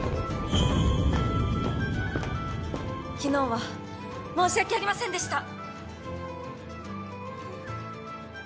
昨日は申し訳ありませんでした！